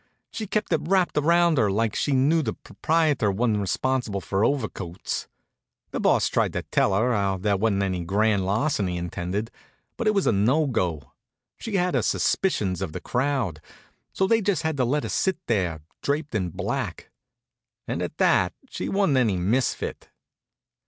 She kept it wrapped around her like she knew the proprietor wa'n't responsible for overcoats. The Boss tried to tell her how there wa'n't any grand larceny intended, but it was no go. She had her suspicions of the crowd, so they just had to let her sit there draped in black. And at that she wa'n't any misfit.